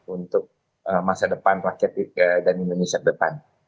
untuk masa depan rakyat dan indonesia ke depan